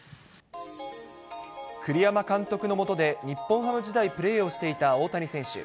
栗山監督の下で日本ハム時代プレーしていた大谷選手。